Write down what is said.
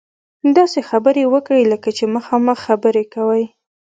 داسې خبرې وکړئ لکه چې مخامخ خبرې کوئ.